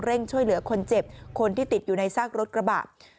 ช่วยเหลือคนเจ็บคนที่ติดอยู่ในซากรถกระบะ